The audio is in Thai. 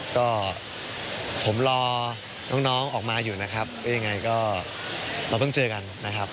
ก็ผมรอน้องออกมาอยู่นะครับยังไงก็เราต้องเจอกันนะครับ